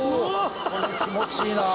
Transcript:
これ気持ちいいなあ。